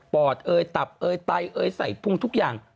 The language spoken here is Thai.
ปอดตับไตใส่พุ่งทุกอย่าง